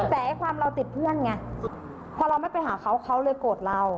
แต่ความเราติดเพื่อนไงพอเราไม่ไปหาเขาเขาเลยโกรธเรา